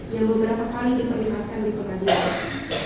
yang beberapa kali diperlihatkan di pengadilan